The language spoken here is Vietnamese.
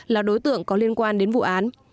là đối tượng có liên quan đến vụ án